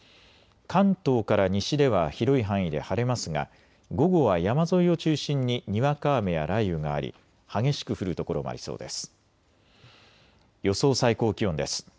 関東から西では広い範囲で晴れますが午後は山沿いを中心ににわか雨や雷雨があり激しく降る所もありそうです。